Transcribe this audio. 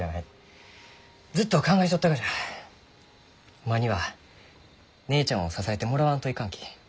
おまんには姉ちゃんを支えてもらわんといかんき。